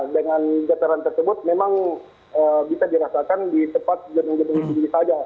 dengan getaran tersebut memang kita dirasakan di tempat yang lebih tinggi saja